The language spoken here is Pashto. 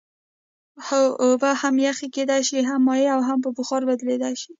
هو اوبه هم یخ کیدای شي هم مایع او هم په بخار بدلیدلی شي